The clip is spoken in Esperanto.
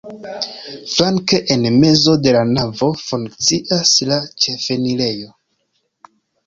Flanke en mezo de la navo funkcias la ĉefenirejo.